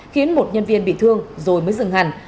khiến một nhân viên bị thương rồi mới dừng hẳn